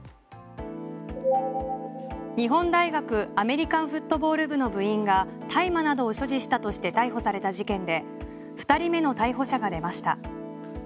日本大学アメリカンフットボール部の部員が大麻などを所持したとして逮捕された事件で２人目の逮捕者が出ました。